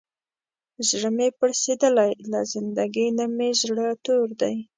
زړه مې پړسېدلی، له زندګۍ نه مې زړه تور دی.